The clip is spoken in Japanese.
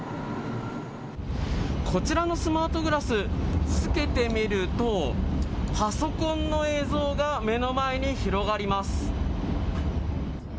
こちらのスマートグラス、つけてみると、パソコンの映像が目の前に広がります。